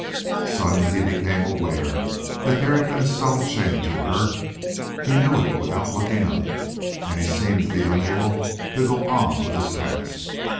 Suddenly he became aware that there had been a subtle change in her. He knew it without looking up and he seemed to be unable to go on with his task.